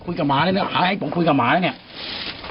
คุยกับหมาแล้วไอ้ผมคุยกับหมาแล้วเนี่ย